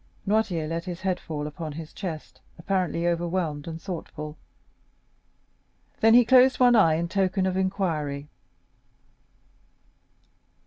Noirtier let his head fall upon his chest, apparently overwhelmed and thoughtful; then he closed one eye, in token of inquiry.